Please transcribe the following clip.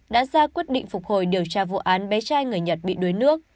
đã ra quyết định phục hồi điều tra vụ án bé trai người nhật bị đuối nước